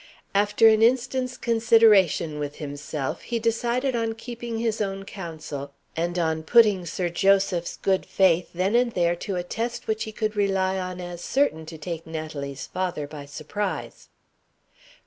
After an instant's consideration with himself, he decided on keeping his own counsel, and on putting Sir Joseph's good faith then and there to a test which he could rely on as certain to take Natalie's father by surprise.